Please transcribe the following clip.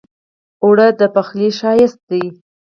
اوړه د پخلي ښايست دی